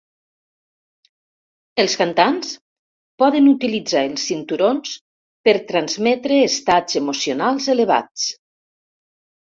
Els cantants poden utilitzar els cinturons per transmetre estats emocionals elevats.